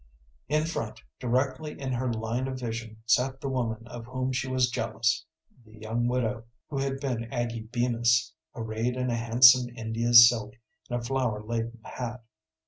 In front, directly in her line of vision, sat the woman of whom she was jealous the young widow, who had been Aggie Bemis, arrayed in a handsome India silk and a flower laden hat.